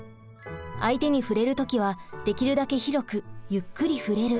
相手に触れる時はできるだけ広くゆっくり触れる。